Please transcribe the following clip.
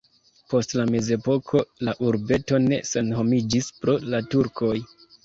Post la mezepoko la urbeto ne senhomiĝis pro la turkoj.